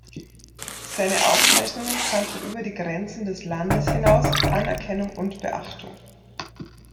Seine Aufzeichnungen fanden über die Grenzen des Landes hinaus Anerkennung und Beachtung.